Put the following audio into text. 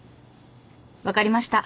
「わかりました！